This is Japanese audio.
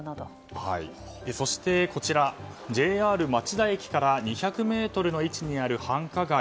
そして、こちらはＪＲ町田駅から２００ｍの位置にある繁華街。